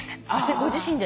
ご自身で？